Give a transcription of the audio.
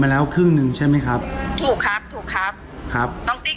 แล้วครึ่งหนึ่งใช่ไหมครับถูกครับถูกครับครับน้องติ๊ก